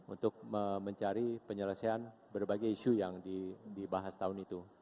untuk mencari penyelesaian berbagai isu yang dibahas tahun itu